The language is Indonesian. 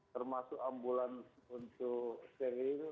termasuk ambulans untuk steril